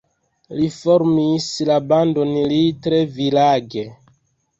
Li formis la bandon Little Village.